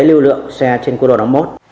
lưu lượng xe trên quốc lộ năm mươi một